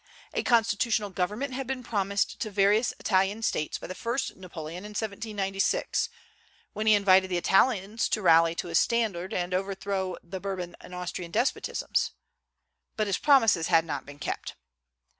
A constitutional government had been promised to various Italian States by the first Napoleon in 1796. when he invited the Italians to rally to his standard and overthrow the Bourbon and Austrian despotisms; but his promises had not been kept.